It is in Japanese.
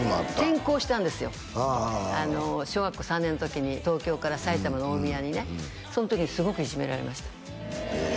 転校したんですよああああああ小学校３年の時に東京から埼玉の大宮にねその時にすごくいじめられましたええ？